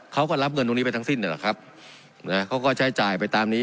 เขาก็รับเงินตรงนี้ไปทั้งสิ้นเนี่ยแหละครับนะเขาก็ใช้จ่ายไปตามนี้